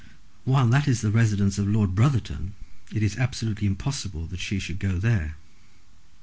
"While that is the residence of Lord Brotherton it is absolutely impossible that she should go there.